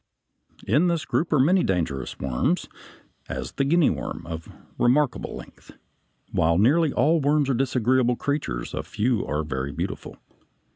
] In this group are many dangerous worms, as the guinea worm of remarkable length. While nearly all worms are disagreeable creatures, a few are very beautiful.